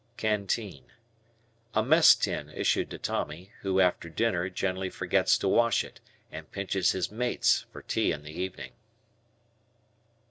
Canteen. A mess tin issued to Tommy, who, after dinner, generally forgets to wash it, and pinches his mates for tea in the evening.